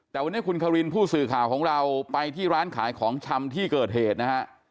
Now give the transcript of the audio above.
แต่วันนี้คุณควินผู้สื่อข่าวของเราไปที่ร้านขายของชำที่เกิดเหตุนะฮะ